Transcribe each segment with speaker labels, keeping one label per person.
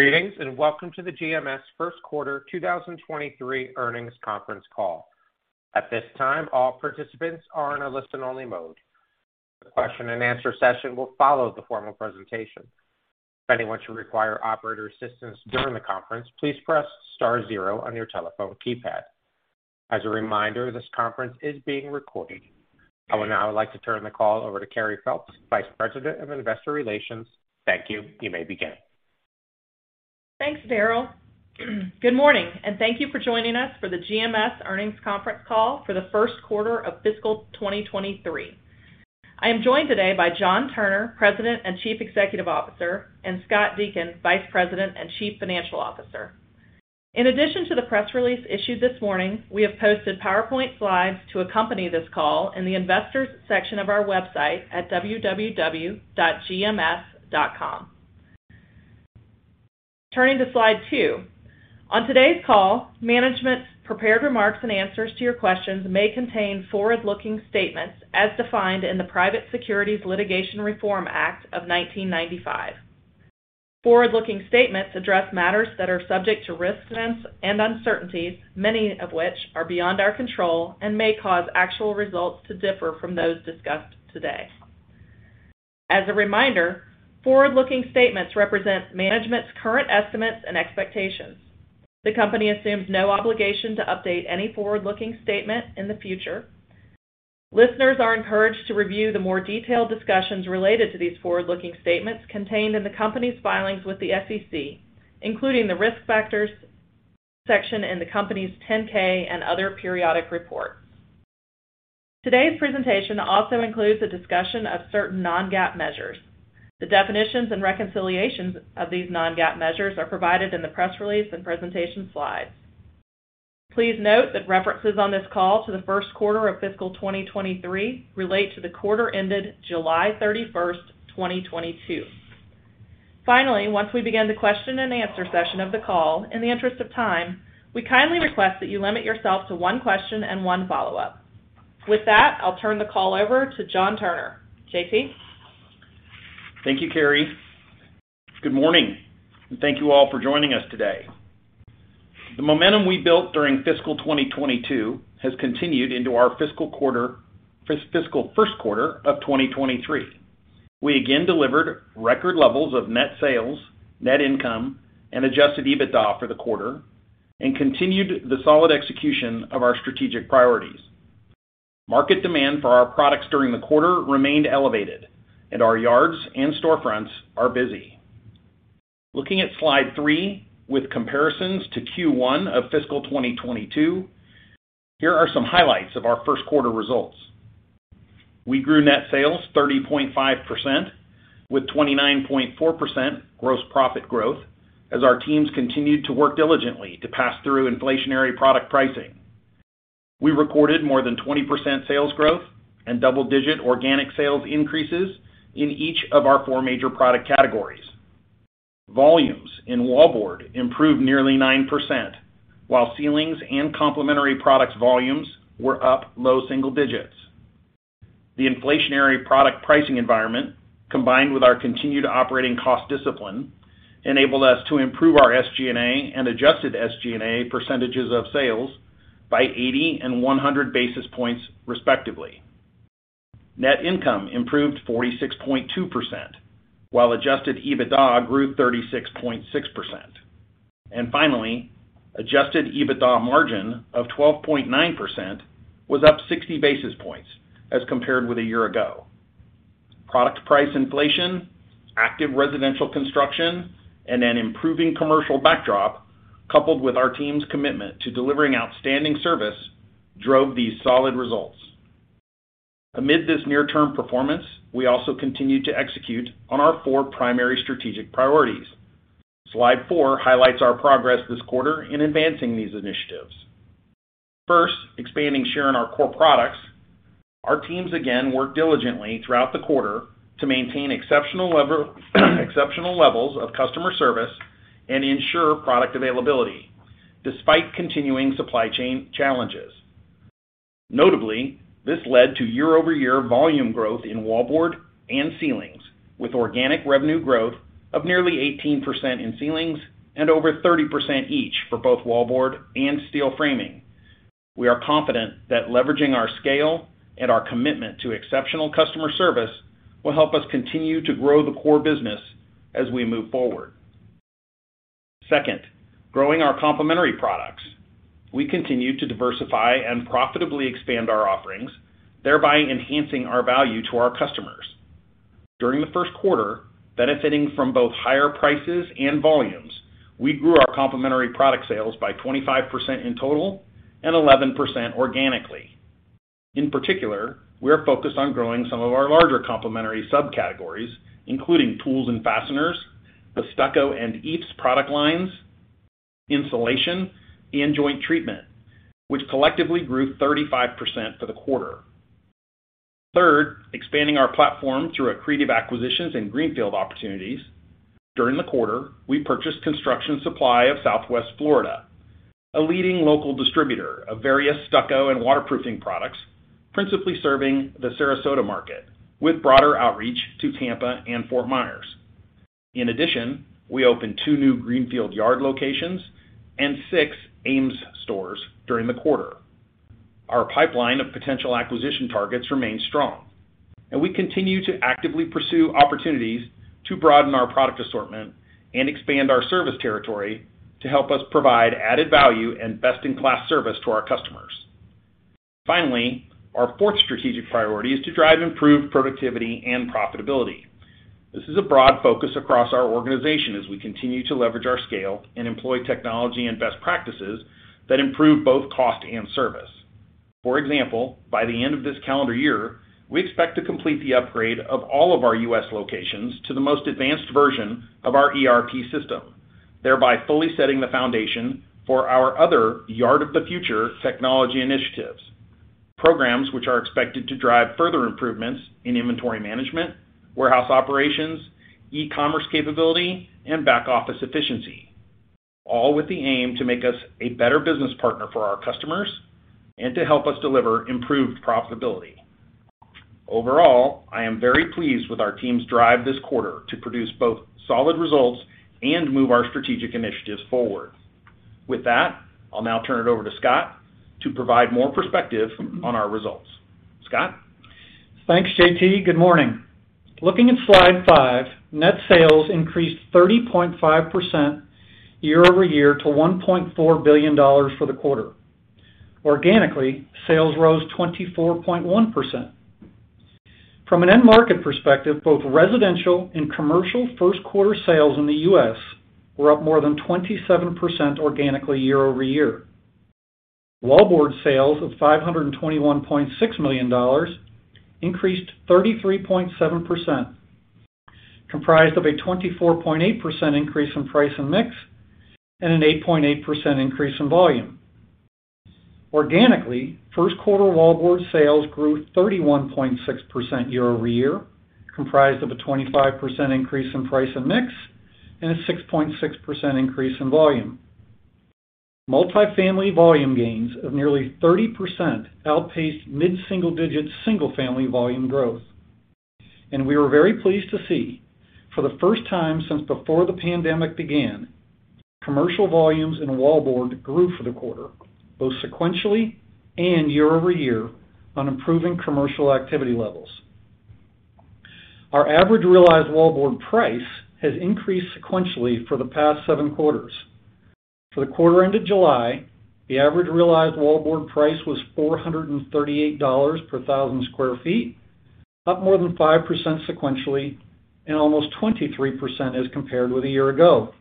Speaker 1: Greetings, and welcome to the GMS first quarter 2023 earnings conference call. At this time, all participants are in a listen-only mode. The question and answer session will follow the formal presentation. If anyone should require operator assistance during the conference, please press star zero on your telephone keypad. As a reminder, this conference is being recorded. I would now like to turn the call over to Carey Phelps, Vice President of Investor Relations. Thank you. You may begin.
Speaker 2: Thanks, Daryl. Good morning, and thank you for joining us for the GMS earnings conference call for the first quarter of fiscal 2023. I am joined today by John Turner, President and Chief Executive Officer, and Scott Deakin, Vice President and Chief Financial Officer. In addition to the press release issued this morning, we have posted PowerPoint slides to accompany this call in the investors section of our website at www.gms.com. Turning to slide 2. On today's call, management's prepared remarks and answers to your questions may contain forward-looking statements as defined in the Private Securities Litigation Reform Act of 1995. Forward-looking statements address matters that are subject to risks and uncertainties, many of which are beyond our control and may cause actual results to differ from those discussed today. As a reminder, forward-looking statements represent management's current estimates and expectations. The company assumes no obligation to update any forward-looking statement in the future. Listeners are encouraged to review the more detailed discussions related to these forward-looking statements contained in the company's filings with the SEC, including the Risk Factors section in the company's 10-K and other periodic reports. Today's presentation also includes a discussion of certain non-GAAP measures. The definitions and reconciliations of these non-GAAP measures are provided in the press release and presentation slides. Please note that references on this call to the first quarter of fiscal 2023 relate to the quarter ended July 31, 2022. Finally, once we begin the question and answer session of the call, in the interest of time, we kindly request that you limit yourself to one question and one follow-up. With that, I'll turn the call over to John Turner. JT?
Speaker 3: Thank you, Carey. Good morning, and thank you all for joining us today. The momentum we built during fiscal 2022 has continued into our fiscal first quarter of 2023. We again delivered record levels of net sales, net income, and adjusted EBITDA for the quarter and continued the solid execution of our strategic priorities. Market demand for our products during the quarter remained elevated and our yards and storefronts are busy. Looking at slide 3 with comparisons to Q1 of fiscal 2022, here are some highlights of our first quarter results. We grew net sales 30.5% with 29.4% gross profit growth as our teams continued to work diligently to pass through inflationary product pricing. We recorded more than 20% sales growth and double-digit organic sales increases in each of our four major product categories. Volumes in wallboard improved nearly 9%, while ceilings and complementary products volumes were up low single digits. The inflationary product pricing environment, combined with our continued operating cost discipline, enabled us to improve our SG&A and adjusted SG&A percentages of sales by 80 and 100 basis points respectively. Net income improved 46.2%, while adjusted EBITDA grew 36.6%. Finally, adjusted EBITDA margin of 12.9% was up 60 basis points as compared with a year ago. Product price inflation, active residential construction, and an improving commercial backdrop, coupled with our team's commitment to delivering outstanding service, drove these solid results. Amid this near-term performance, we also continued to execute on our four primary strategic priorities. Slide 4 highlights our progress this quarter in advancing these initiatives. First, expanding share in our core products. Our teams again worked diligently throughout the quarter to maintain exceptional levels of customer service and ensure product availability despite continuing supply chain challenges. Notably, this led to year-over-year volume growth in Wallboard and Ceilings, with organic revenue growth of nearly 18% in Ceilings and over 30% each for both Wallboard and Steel Framing. We are confident that leveraging our scale and our commitment to exceptional customer service will help us continue to grow the core business as we move forward. Second, growing our Complementary Products. We continued to diversify and profitably expand our offerings, thereby enhancing our value to our customers. During the first quarter, benefiting from both higher prices and volumes, we grew our Complementary Products sales by 25% in total and 11% organically. In particular, we are focused on growing some of our larger complementary subcategories, including tools and fasteners, the Stucco and EIFS product lines, insulation, and joint treatment, which collectively grew 35% for the quarter. Third, expanding our platform through accretive acquisitions and greenfield opportunities. During the quarter, we purchased Construction Supply of Southwest Florida, Inc. A leading local distributor of various stucco and waterproofing products, principally serving the Sarasota market, with broader outreach to Tampa and Fort Myers. In addition, we opened 2 new greenfield yard locations and 6 AMES stores during the quarter. Our pipeline of potential acquisition targets remains strong, and we continue to actively pursue opportunities to broaden our product assortment and expand our service territory to help us provide added value and best-in-class service to our customers. Finally, our fourth strategic priority is to drive improved productivity and profitability. This is a broad focus across our organization as we continue to leverage our scale and employ technology and best practices that improve both cost and service. For example, by the end of this calendar year, we expect to complete the upgrade of all of our U.S. locations to the most advanced version of our ERP system, thereby fully setting the foundation for our other Yard of the Future technology initiatives, programs which are expected to drive further improvements in inventory management, warehouse operations, e-commerce capability, and back office efficiency, all with the aim to make us a better business partner for our customers and to help us deliver improved profitability. Overall, I am very pleased with our team's drive this quarter to produce both solid results and move our strategic initiatives forward. With that, I'll now turn it over to Scott to provide more perspective on our results. Scott?
Speaker 4: Thanks, JT. Good morning. Looking at slide 5, net sales increased 30.5% year-over-year to $1.4 billion for the quarter. Organically, sales rose 24.1%. From an end market perspective, both residential and commercial first quarter sales in the U.S. were up more than 27% organically year-over-year. Wallboard sales of $521.6 million increased 33.7%, comprised of a 24.8% increase in price and mix, and an 8.8% increase in volume. Organically, first quarter Wallboard sales grew 31.6% year-over-year, comprised of a 25% increase in price and mix, and a 6.6% increase in volume. Multifamily volume gains of nearly 30% outpaced mid-single digit, single-family volume growth. We were very pleased to see, for the first time since before the pandemic began, commercial volumes in wallboard grew for the quarter, both sequentially and year-over-year on improving commercial activity levels. Our average realized wallboard price has increased sequentially for the past 7 quarters. For the quarter ended July, the average realized wallboard price was $438 per 1,000 sq ft, up more than 5% sequentially and almost 23% as compared with a year ago.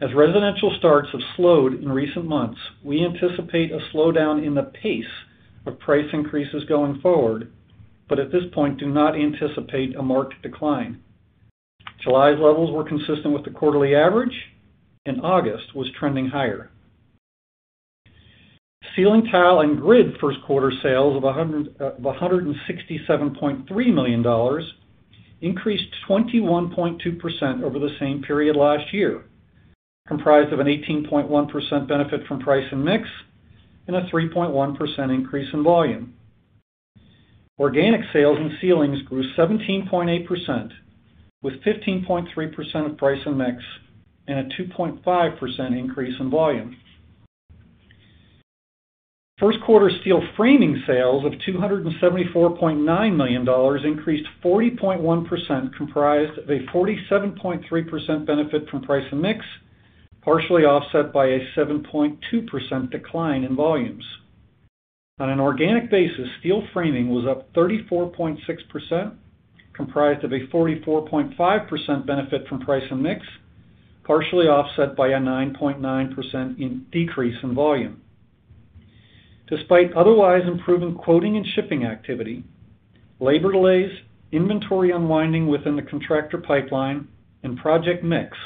Speaker 4: As residential starts have slowed in recent months, we anticipate a slowdown in the pace of price increases going forward, but at this point, do not anticipate a marked decline. July's levels were consistent with the quarterly average, and August was trending higher. Ceiling tile and grid first quarter sales of $167.3 million increased 21.2% over the same period last year, comprised of an 18.1% benefit from price and mix, and a 3.1% increase in volume. Organic sales in Ceilings grew 17.8%, with 15.3% of price and mix, and a 2.5% increase in volume. First quarter Steel Framing sales of $274.9 million increased 40.1%, comprised of a 47.3% benefit from price and mix, partially offset by a 7.2% decline in volumes. On an organic basis, steel framing was up 34.6%, comprised of a 44.5% benefit from price and mix, partially offset by a 9.9% decrease in volume. Despite otherwise improving quoting and shipping activity, labor delays, inventory unwinding within the contractor pipeline and project mix,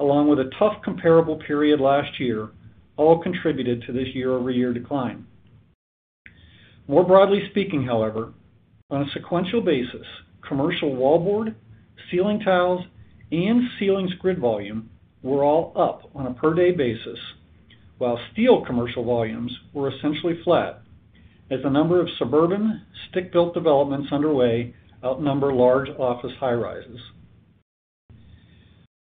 Speaker 4: along with a tough comparable period last year, all contributed to this year-over-year decline. More broadly speaking, however, on a sequential basis, commercial wallboard, ceiling tiles, and ceilings grid volume were all up on a per-day basis, while steel commercial volumes were essentially flat as the number of suburban stick-built developments underway outnumber large office high rises.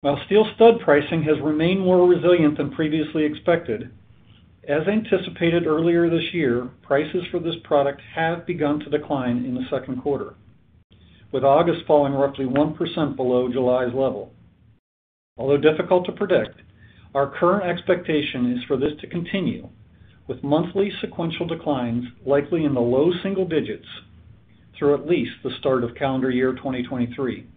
Speaker 4: While steel stud pricing has remained more resilient than previously expected, as anticipated earlier this year, prices for this product have begun to decline in the second quarter, with August falling roughly 1% below July's level. Although difficult to predict, our current expectation is for this to continue, with monthly sequential declines likely in the low single digits through at least the start of calendar year 2023.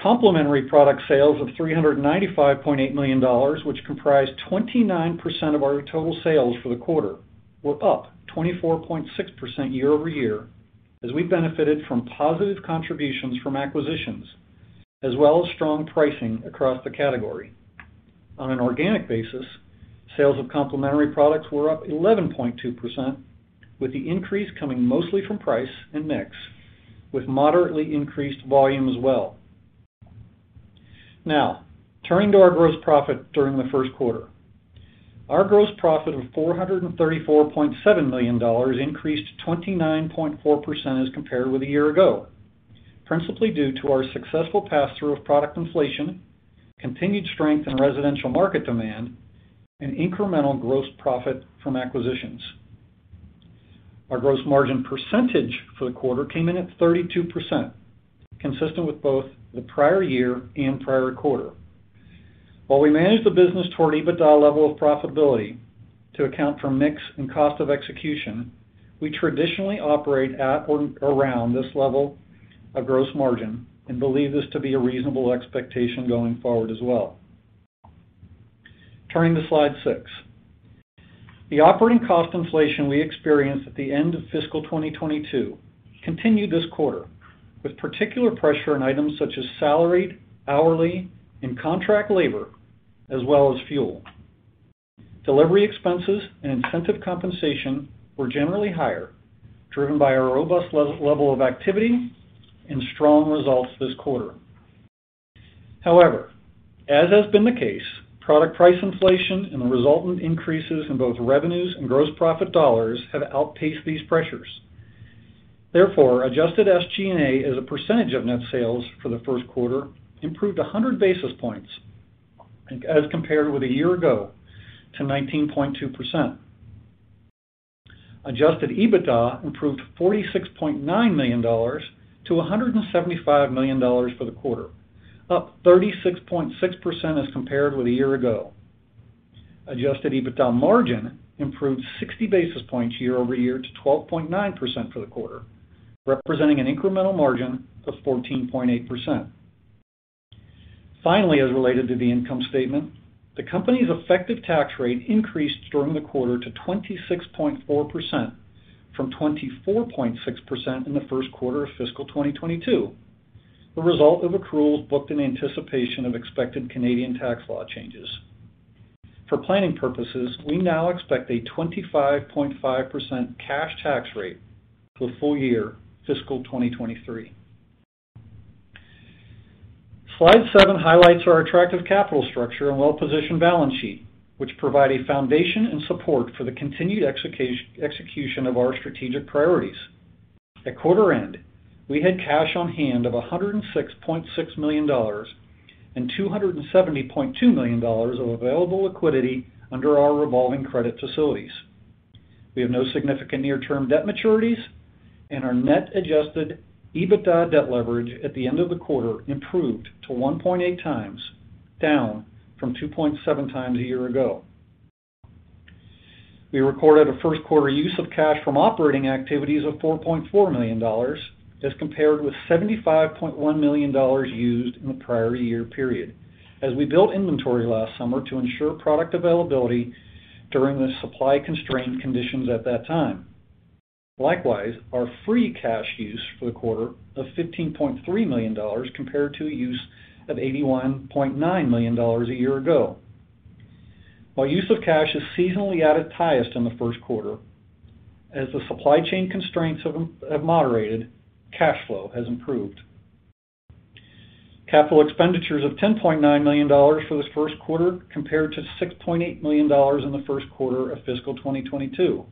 Speaker 4: Complementary Products sales of $395.8 million, which comprised 29% of our total sales for the quarter, were up 24.6% year-over-year as we benefited from positive contributions from acquisitions, as well as strong pricing across the category. On an organic basis, sales of Complementary Products were up 11.2%, with the increase coming mostly from price and mix. With moderately increased volume as well. Now, turning to our gross profit during the first quarter. Our gross profit of $434.7 million increased 29.4% as compared with a year ago, principally due to our successful passthrough of product inflation, continued strength in residential market demand, and incremental gross profit from acquisitions. Our gross margin percentage for the quarter came in at 32%, consistent with both the prior year and prior quarter. While we managed the business toward EBITDA level of profitability to account for mix and cost of execution, we traditionally operate at or around this level of gross margin and believe this to be a reasonable expectation going forward as well. Turning to slide 6. The operating cost inflation we experienced at the end of fiscal 2022 continued this quarter, with particular pressure on items such as salaried, hourly, and contract labor, as well as fuel. Delivery expenses and incentive compensation were generally higher, driven by our robust level of activity and strong results this quarter. However, as has been the case, product price inflation and the resultant increases in both revenues and gross profit dollars have outpaced these pressures. Therefore, adjusted SG&A as a percentage of net sales for the first quarter improved 100 basis points as compared with a year ago to 19.2%. Adjusted EBITDA improved $46.9 million to $175 million for the quarter, up 36.6% as compared with a year ago. Adjusted EBITDA margin improved 60 basis points year-over-year to 12.9% for the quarter, representing an incremental margin of 14.8%. Finally, as related to the income statement, the company's effective tax rate increased during the quarter to 26.4% from 24.6% in the first quarter of fiscal 2022, the result of accruals booked in anticipation of expected Canadian tax law changes. For planning purposes, we now expect a 25.5% cash tax rate for full year fiscal 2023. Slide 7 highlights our attractive capital structure and well-positioned balance sheet, which provide a foundation and support for the continued execution of our strategic priorities. At quarter end, we had cash on hand of $106.6 million and $270.2 million of available liquidity under our revolving credit facilities. We have no significant near-term debt maturities, and our net adjusted EBITDA debt leverage at the end of the quarter improved to 1.8 times, down from 2.7 times a year ago. We recorded a first quarter use of cash from operating activities of $4.4 million as compared with $75.1 million used in the prior year period as we built inventory last summer to ensure product availability during the supply constraint conditions at that time. Likewise, our free cash use for the quarter of $15.3 million compared to a use of $81.9 million a year ago. While use of cash is seasonally at its highest in the first quarter, as the supply chain constraints have moderated, cash flow has improved. Capital expenditures of $10.9 million for this first quarter compared to $6.8 million in the first quarter of fiscal 2022.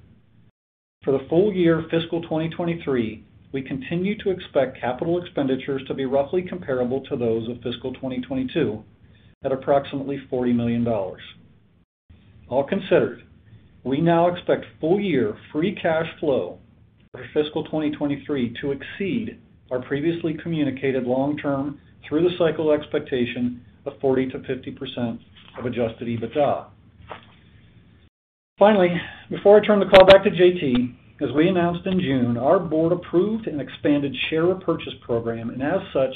Speaker 4: For the full year fiscal 2023, we continue to expect capital expenditures to be roughly comparable to those of fiscal 2022 at approximately $40 million. All considered, we now expect full year free cash flow for fiscal 2023 to exceed our previously communicated long-term through the cycle expectation of 40%-50% of adjusted EBITDA. Finally, before I turn the call back to JT, as we announced in June, our board approved an expanded share repurchase program, and as such,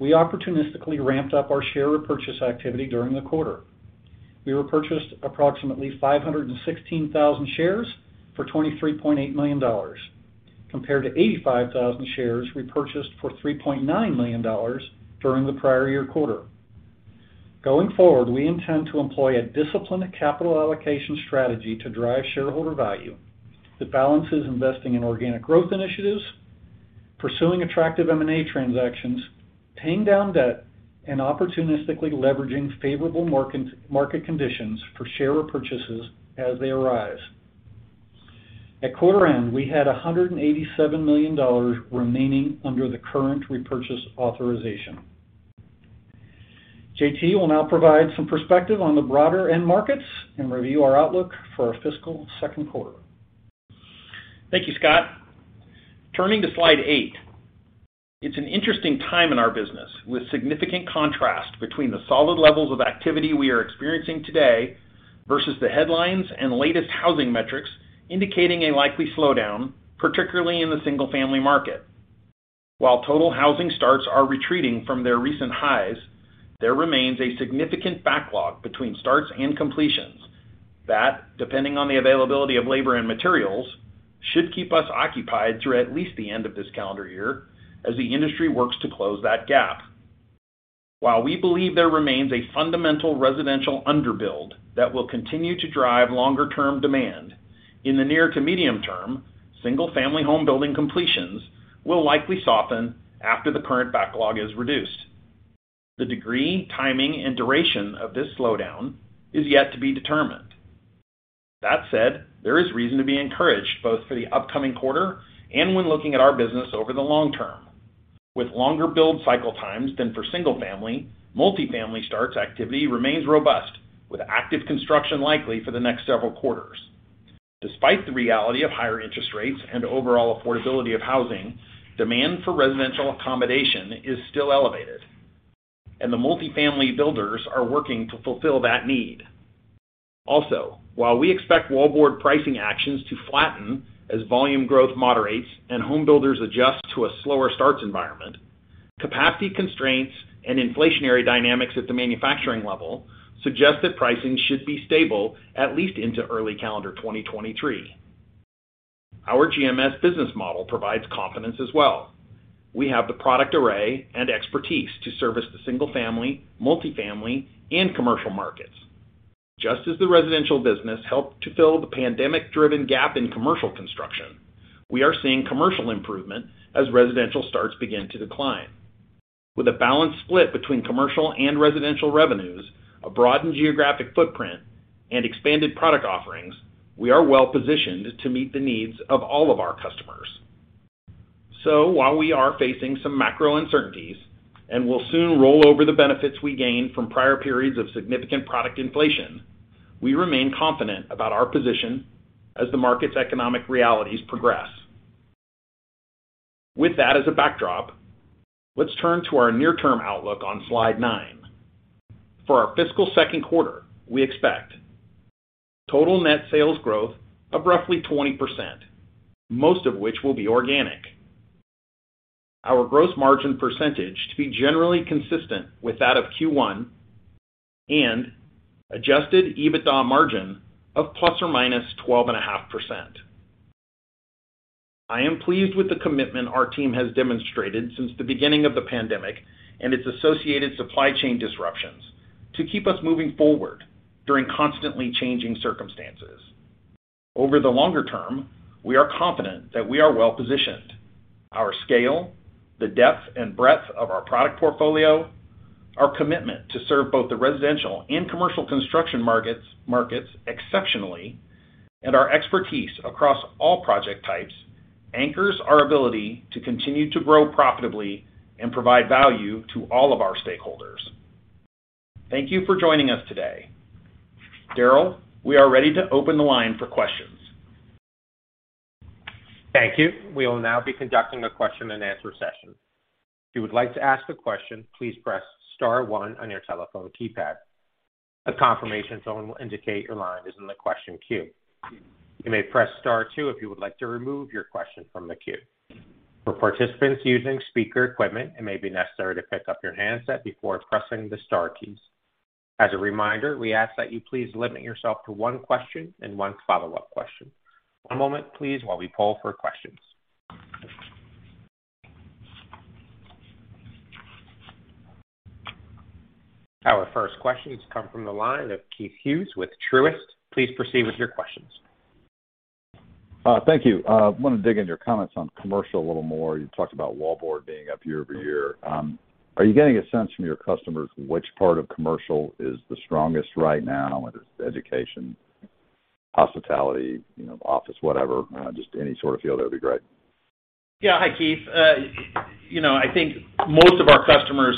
Speaker 4: we opportunistically ramped up our share repurchase activity during the quarter. We repurchased approximately 516,000 shares for $23.8 million, compared to 85,000 shares repurchased for $3.9 million during the prior year quarter. Going forward, we intend to employ a disciplined capital allocation strategy to drive shareholder value that balances investing in organic growth initiatives, pursuing attractive M&A transactions, paying down debt, and opportunistically leveraging favorable market conditions for share repurchases as they arise. At quarter end, we had $187 million remaining under the current repurchase authorization. JT will now provide some perspective on the broader end markets and review our outlook for our fiscal second quarter.
Speaker 3: Thank you, Scott. Turning to slide eight. It's an interesting time in our business, with significant contrast between the solid levels of activity we are experiencing today versus the headlines and latest housing metrics indicating a likely slowdown, particularly in the single-family market. While total housing starts are retreating from their recent highs, there remains a significant backlog between starts and completions that, depending on the availability of labor and materials, should keep us occupied through at least the end of this calendar year as the industry works to close that gap. While we believe there remains a fundamental residential underbuild that will continue to drive longer term demand, in the near to medium term, single-family home building completions will likely soften after the current backlog is reduced. The degree, timing, and duration of this slowdown is yet to be determined. That said, there is reason to be encouraged both for the upcoming quarter and when looking at our business over the long term. With longer build cycle times than for single family, multifamily starts activity remains robust, with active construction likely for the next several quarters. Despite the reality of higher interest rates and overall affordability of housing, demand for residential accommodation is still elevated, and the multifamily builders are working to fulfill that need. Also, while we expect wallboard pricing actions to flatten as volume growth moderates and home builders adjust to a slower starts environment, capacity constraints and inflationary dynamics at the manufacturing level suggest that pricing should be stable at least into early calendar 2023. Our GMS business model provides confidence as well. We have the product array and expertise to service the single family, multifamily, and commercial markets. Just as the residential business helped to fill the pandemic-driven gap in commercial construction, we are seeing commercial improvement as residential starts begin to decline. With a balanced split between commercial and residential revenues, a broadened geographic footprint, and expanded product offerings, we are well-positioned to meet the needs of all of our customers. While we are facing some macro uncertainties and will soon roll over the benefits we gained from prior periods of significant product inflation, we remain confident about our position as the market's economic realities progress. With that as a backdrop, let's turn to our near-term outlook on slide 9. For our fiscal second quarter, we expect total net sales growth of roughly 20%, most of which will be organic. Our gross margin percentage to be generally consistent with that of Q1 and adjusted EBITDA margin of ±12.5%. I am pleased with the commitment our team has demonstrated since the beginning of the pandemic and its associated supply chain disruptions to keep us moving forward during constantly changing circumstances. Over the longer term, we are confident that we are well-positioned. Our scale, the depth and breadth of our product portfolio, our commitment to serve both the residential and commercial construction markets exceptionally, and our expertise across all project types anchors our ability to continue to grow profitably and provide value to all of our stakeholders. Thank you for joining us today. Daryl, we are ready to open the line for questions.
Speaker 1: Thank you. We will now be conducting a question-and-answer session. If you would like to ask a question, please press star one on your telephone keypad. A confirmation tone will indicate your line is in the question queue. You may press star two if you would like to remove your question from the queue. For participants using speaker equipment, it may be necessary to pick up your handset before pressing the star keys. As a reminder, we ask that you please limit yourself to one question and one follow-up question. One moment, please, while we poll for questions. Our first questions come from the line of Keith Hughes with Truist. Please proceed with your questions.
Speaker 5: Thank you. Want to dig into your comments on commercial a little more. You talked about wallboard being up year-over-year. Are you getting a sense from your customers which part of commercial is the strongest right now, whether it's education, hospitality, you know, office, whatever? Just any sort of feel that'd be great.
Speaker 3: Yeah. Hi, Keith. You know, I think most of our customers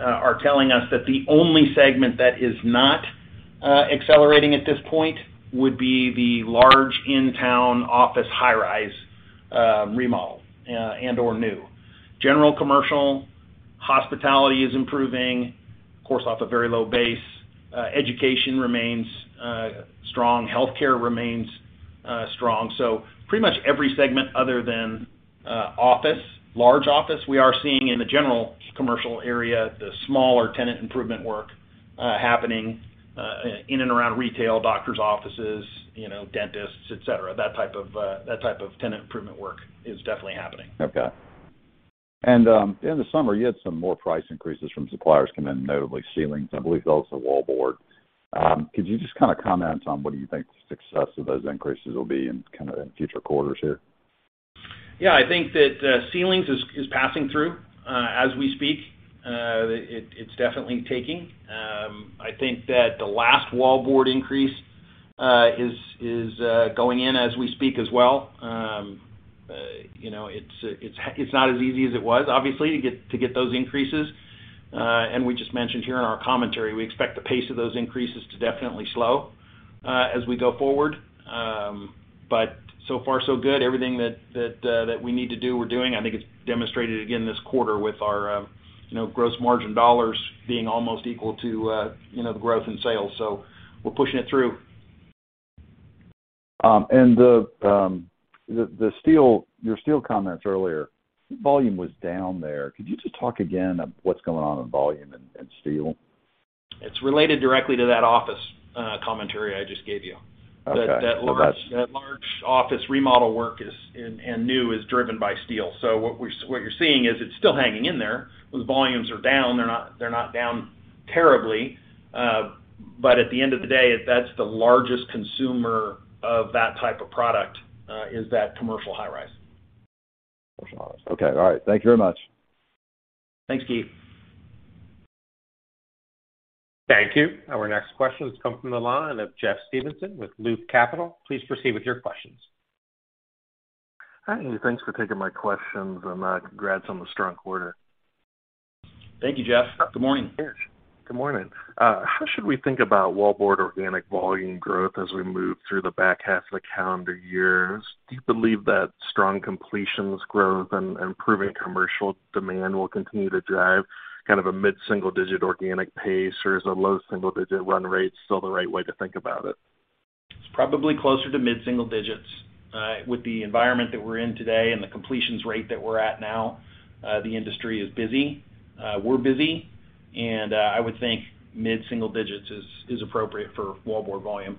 Speaker 3: are telling us that the only segment that is not accelerating at this point would be the large in-town office high-rise remodel and/or new. General commercial hospitality is improving, of course, off a very low base. Education remains strong. Healthcare remains strong. So pretty much every segment other than office, large office, we are seeing in the general commercial area, the smaller tenant improvement work happening in and around retail, doctor's offices, you know, dentists, et cetera. That type of tenant improvement work is definitely happening.
Speaker 5: Okay. In the summer, you had some more price increases from suppliers come in, notably Ceilings, I believe also Wallboard. Could you just kind of comment on what do you think the success of those increases will be in kind of in future quarters here?
Speaker 3: Yeah, I think that Ceilings is passing through as we speak. It’s definitely taking. I think that the last Wallboard increase is going in as we speak as well. You know, it’s not as easy as it was obviously to get those increases. We just mentioned here in our commentary, we expect the pace of those increases to definitely slow as we go forward. So far so good. Everything that we need to do, we’re doing. I think it’s demonstrated again this quarter with our, you know, gross margin dollars being almost equal to, you know, the growth in sales. We’re pushing it through.
Speaker 5: The steel your steel comments earlier, volume was down there. Could you just talk again on what's going on in volume and steel?
Speaker 3: It's related directly to that office commentary I just gave you.
Speaker 5: Okay. That large office remodel work is and new is driven by steel. What you're seeing is it's still hanging in there. Those volumes are down. They're not down terribly. At the end of the day, that's the largest consumer of that type of product is that commercial high-rise. Commercial high-rise. Okay. All right. Thank you very much.
Speaker 3: Thanks, Keith.
Speaker 1: Thank you. Our next question has come from the line of Jeff Stevenson with Loop Capital. Please proceed with your questions.
Speaker 6: Hi, and thanks for taking my questions, and, congrats on the strong quarter.
Speaker 3: Thank you, Jeff. Good morning.
Speaker 6: Good morning. How should we think about Wallboard organic volume growth as we move through the back half of the calendar year? Do you believe that strong completions growth and improving commercial demand will continue to drive kind of a mid-single-digit% organic pace, or is a low single-digit% run rate still the right way to think about it?
Speaker 3: It's probably closer to mid-single digits. With the environment that we're in today and the completions rate that we're at now, the industry is busy, we're busy, and I would think mid-single digits is appropriate for Wallboard volume.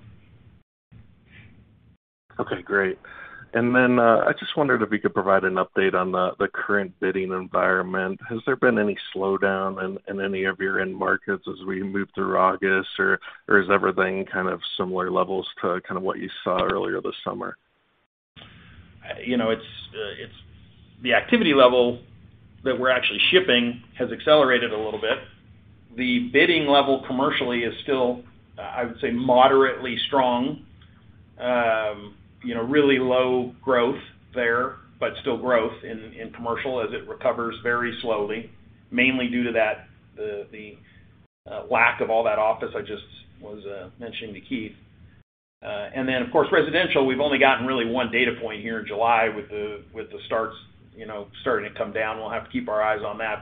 Speaker 6: Okay, great. I just wondered if you could provide an update on the current bidding environment. Has there been any slowdown in any of your end markets as we move through August? Or is everything kind of similar levels to kind of what you saw earlier this summer?
Speaker 3: You know, it's the activity level that we're actually shipping has accelerated a little bit. The bidding level commercially is still, I would say, moderately strong. You know, really low growth there, but still growth in commercial as it recovers very slowly, mainly due to the lack of all that office I just was mentioning to Keith. And then, of course, residential, we've only gotten really one data point here in July with the starts, you know, starting to come down. We'll have to keep our eyes on that.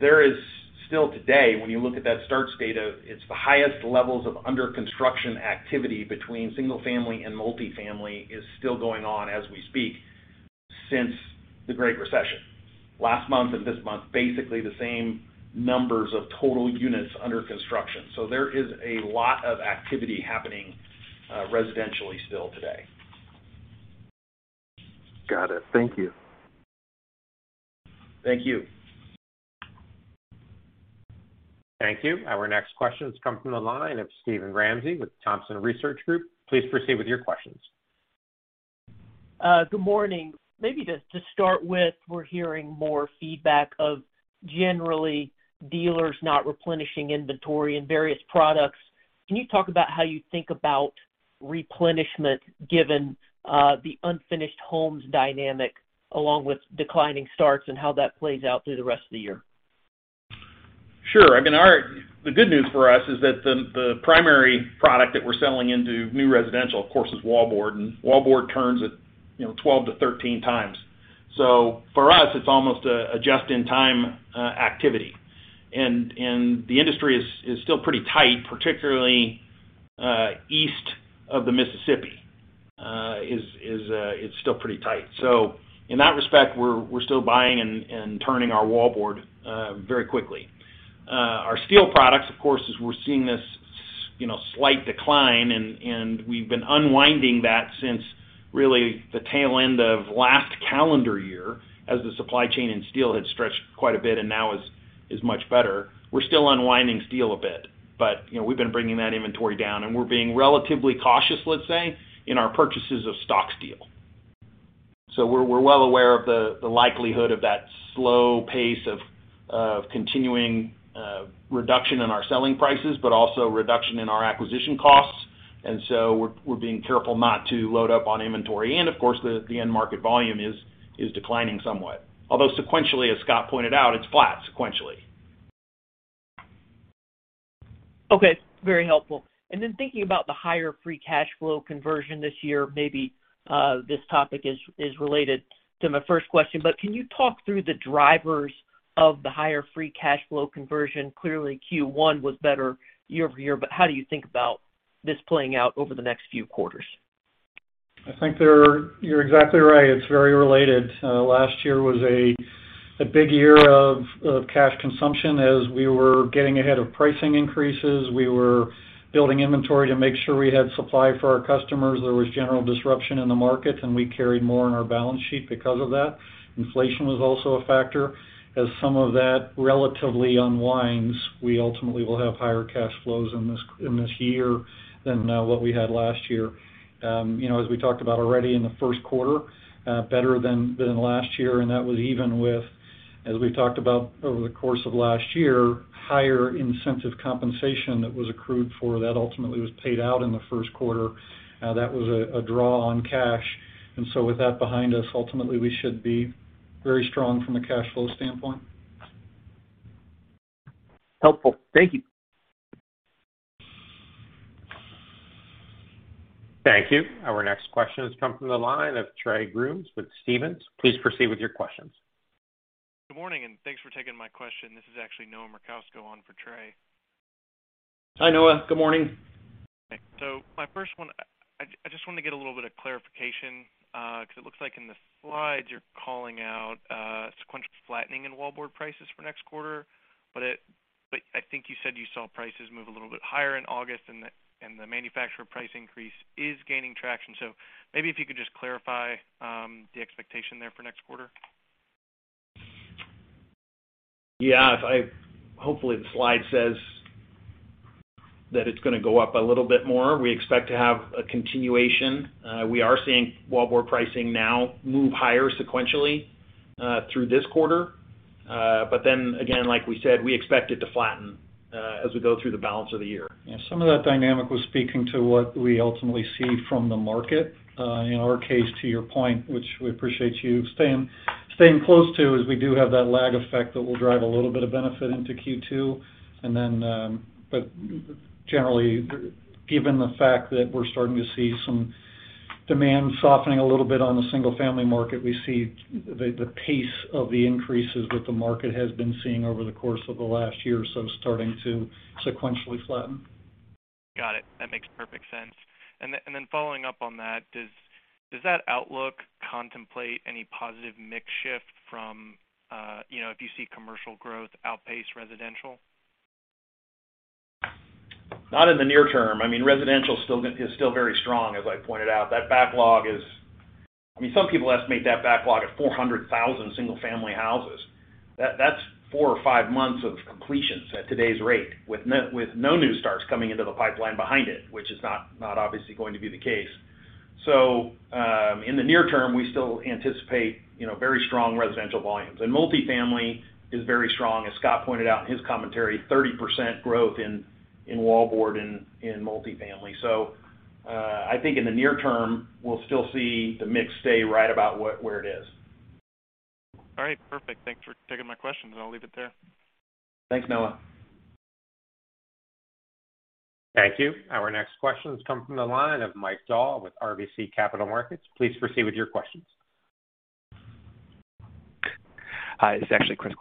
Speaker 3: There is still today, when you look at that starts data, it's the highest levels of under construction activity between single family and multifamily is still going on as we speak since the Great Recession. Last month and this month, basically the same numbers of total units under construction. There is a lot of activity happening, residentially still today.
Speaker 6: Got it. Thank you.
Speaker 3: Thank you.
Speaker 1: Thank you. Our next question has come from the line of Steven Ramsey with Thompson Research Group. Please proceed with your questions.
Speaker 7: Good morning. Maybe just to start with, we're hearing more feedback of generally dealers not replenishing inventory in various products. Can you talk about how you think about replenishment given the unfinished homes dynamic along with declining starts and how that plays out through the rest of the year?
Speaker 3: Sure. I mean, the good news for us is that the primary product that we're selling into new residential, of course, is Wallboard, and Wallboard turns at, you know, 12-13 times. So for us, it's almost a just-in-time activity. The industry is still pretty tight, particularly east of the Mississippi. So in that respect, we're still buying and turning our Wallboard very quickly. Our steel products, of course, as we're seeing this slight decline, and we've been unwinding that since really the tail end of last calendar year as the supply chain in steel had stretched quite a bit and now is much better. We're still unwinding steel a bit, but, you know, we've been bringing that inventory down and we're being relatively cautious, let's say, in our purchases of stock steel. We're well aware of the likelihood of that slow pace of continuing reduction in our selling prices, but also reduction in our acquisition costs. We're being careful not to load up on inventory. Of course, the end market volume is declining somewhat. Although sequentially, as Scott pointed out, it's flat sequentially.
Speaker 7: Okay, very helpful. Thinking about the higher free cash flow conversion this year, maybe, this topic is related to my first question. Can you talk through the drivers of the higher free cash flow conversion? Clearly, Q1 was better year-over-year, but how do you think about this playing out over the next few quarters?
Speaker 4: I think you're exactly right. It's very related. Last year was a big year of cash consumption as we were getting ahead of pricing increases. We were building inventory to make sure we had supply for our customers. There was general disruption in the market, and we carried more on our balance sheet because of that. Inflation was also a factor. As some of that relatively unwinds, we ultimately will have higher cash flows in this year than what we had last year. You know, as we talked about already in the first quarter, better than last year, and that was even with, as we've talked about over the course of last year, higher incentive compensation that was accrued for that ultimately was paid out in the first quarter. That was a draw on cash. With that behind us, ultimately we should be very strong from a cash flow standpoint.
Speaker 7: Helpful. Thank you.
Speaker 1: Thank you. Our next question has come from the line of Trey Grooms with Stephens. Please proceed with your questions.
Speaker 8: Good morning, and thanks for taking my question. This is actually Noah Merkousko on for Trey.
Speaker 3: Hi, Noah. Good morning.
Speaker 8: My first one. I just wanted to get a little bit of clarification, 'cause it looks like in the slides you're calling out sequential flattening in wallboard prices for next quarter. But I think you said you saw prices move a little bit higher in August and the manufacturer price increase is gaining traction. Maybe if you could just clarify the expectation there for next quarter.
Speaker 3: Yeah. Hopefully, the slide says that it's gonna go up a little bit more. We expect to have a continuation. We are seeing wallboard pricing now move higher sequentially through this quarter. Again, like we said, we expect it to flatten as we go through the balance of the year.
Speaker 4: Yeah. Some of that dynamic was speaking to what we ultimately see from the market. In our case, to your point, which we appreciate you staying close to, is we do have that lag effect that will drive a little bit of benefit into Q2. Generally, given the fact that we're starting to see some demand softening a little bit on the single-family market, we see the pace of the increases that the market has been seeing over the course of the last year or so starting to sequentially flatten.
Speaker 8: Got it. That makes perfect sense. Following up on that, does that outlook contemplate any positive mix shift from, you know, if you see commercial growth outpace residential?
Speaker 3: Not in the near term. I mean, residential is still very strong, as I pointed out. That backlog, I mean, some people estimate that backlog at 400,000 single-family houses. That's four or five months of completions at today's rate, with no new starts coming into the pipeline behind it, which is not obviously going to be the case. In the near term, we still anticipate, you know, very strong residential volumes. Multifamily is very strong. As Scott pointed out in his commentary, 30% growth in Wallboard in multifamily. I think in the near term, we'll still see the mix stay right about where it is.
Speaker 8: All right. Perfect. Thanks for taking my questions. I'll leave it there.
Speaker 3: Thanks, Noah.
Speaker 1: Thank you. Our next question comes from the line of Michael Dahl with RBC Capital Markets. Please proceed with your questions.
Speaker 9: Hi. It's actually Chris.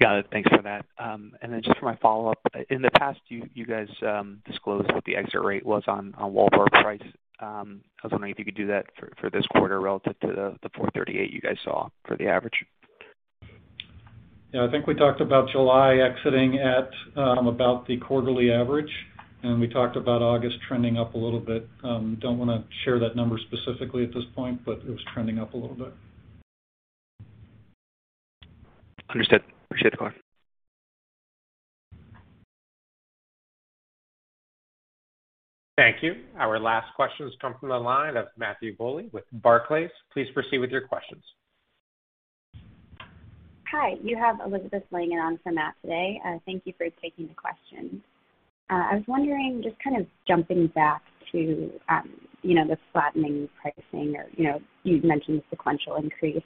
Speaker 9: Got it. Thanks for that. Just for my follow-up. In the past, you guys disclosed what the exit rate was on Wallboard price. I was wondering if you could do that for this quarter relative to the $438 you guys saw for the average.
Speaker 4: Yeah, I think we talked about July exiting at about the quarterly average, and we talked about August trending up a little bit. Don't wanna share that number specifically at this point, but it was trending up a little bit.
Speaker 9: Understood. Appreciate the call.
Speaker 1: Thank you. Our last question comes from the line of Matthew Bouley with Barclays. Please proceed with your questions.
Speaker 10: Hi. You have Elizabeth laying it on for Matthew today. Thank you for taking the question. I was wondering, just kind of jumping back to, you know, the flattening pricing or, you know, you'd mentioned sequential increase.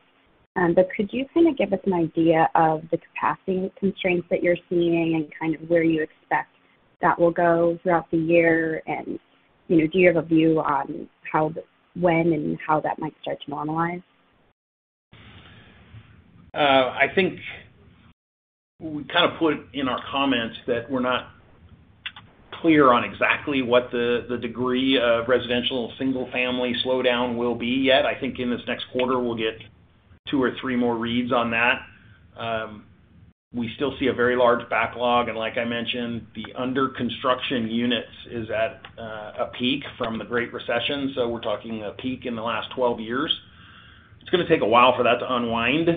Speaker 10: Could you kinda give us an idea of the capacity constraints that you're seeing and kind of where you expect that will go throughout the year? You know, do you have a view on how the when and how that might start to normalize?
Speaker 4: I think we kind of put in our comments that we're not clear on exactly what the degree of residential single-family slowdown will be yet. I think in this next quarter, we'll get 2 or 3 more reads on that. We still see a very large backlog, and like I mentioned, the under construction units is at a peak from the Great Recession, so we're talking a peak in the last 12 years. It's gonna take a while for that to unwind.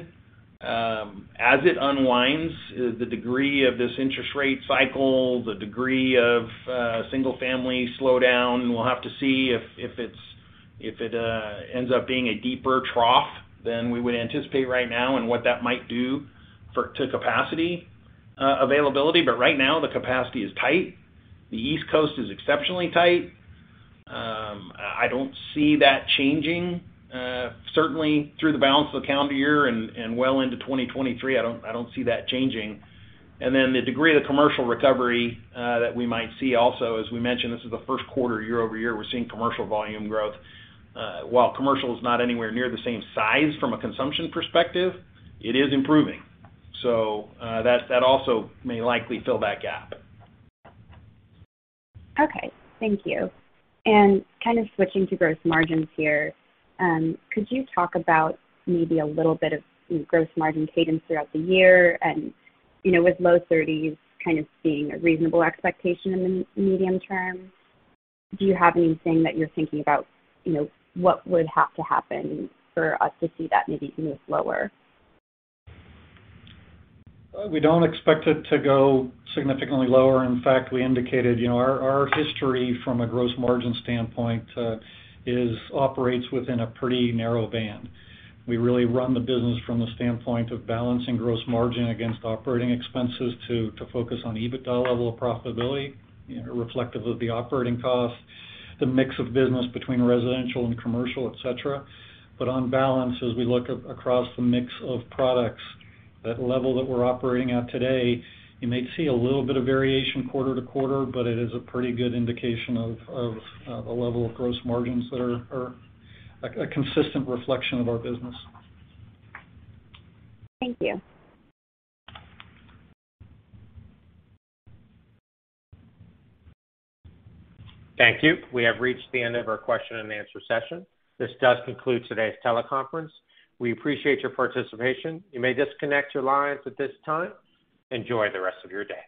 Speaker 4: As it unwinds, the degree of this interest rate cycle, the degree of single family slowdown, we'll have to see if it's If it ends up being a deeper trough than we would anticipate right now and what that might do to capacity availability. Right now, the capacity is tight. The East Coast is exceptionally tight. I don't see that changing certainly through the balance of the calendar year and well into 2023. The degree of the commercial recovery that we might see also, as we mentioned, this is the first quarter year-over-year, we're seeing commercial volume growth. While commercial is not anywhere near the same size from a consumption perspective, it is improving. That also may likely fill that gap.
Speaker 10: Okay. Thank you. Kind of switching to gross margins here, could you talk about maybe a little bit of gross margin cadence throughout the year and, you know, with low 30s kind of being a reasonable expectation in the medium term, do you have anything that you're thinking about, you know, what would have to happen for us to see that maybe move lower?
Speaker 4: We don't expect it to go significantly lower. In fact, we indicated, you know, our history from a gross margin standpoint is operates within a pretty narrow band. We really run the business from the standpoint of balancing gross margin against operating expenses to focus on EBITDA level of profitability, you know, reflective of the operating costs, the mix of business between residential and commercial, et cetera. On balance, as we look across the mix of products, that level that we're operating at today, you may see a little bit of variation quarter to quarter, but it is a pretty good indication of the level of gross margins that are a consistent reflection of our business.
Speaker 10: Thank you.
Speaker 1: Thank you. We have reached the end of our question and answer session. This does conclude today's teleconference. We appreciate your participation. You may disconnect your lines at this time. Enjoy the rest of your day.